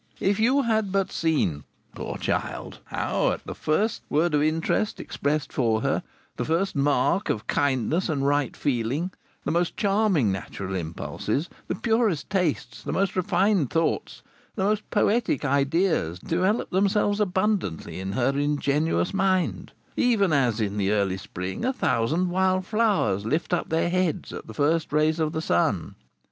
If you had but seen, poor child! how, at the first word of interest expressed for her, the first mark of kindness and right feeling, the most charming natural impulses, the purest tastes, the most refined thoughts, the most poetic ideas, developed themselves abundantly in her ingenuous mind, even as, in the early spring, a thousand wild flowers lift up their heads at the first rays of the sun!